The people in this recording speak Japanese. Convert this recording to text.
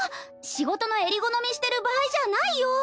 仕事のえり好みしてる場合じゃないよ。